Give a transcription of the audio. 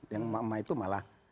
yang emak emak itu malah